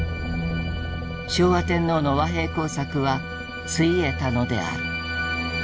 昭和天皇の和平工作はついえたのである。